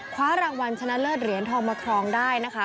คว้ารางวัลชนะเลิศเหรียญทองมาครองได้นะคะ